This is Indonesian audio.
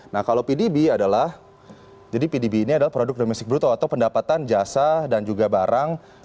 nah kalau pdb adalah jadi pdb ini adalah produk domestik bruto atau pendapatan jasa dan juga barang